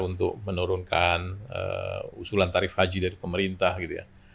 untuk menurunkan usulan tarif haji dari pemerintah gitu ya